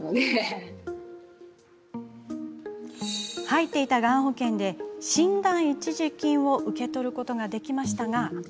入っていた、がん保険で診断一時金を受け取ることができましたが。